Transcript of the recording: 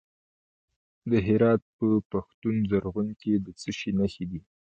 د هرات په پښتون زرغون کې د څه شي نښې دي؟